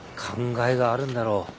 考えがあるんだろう。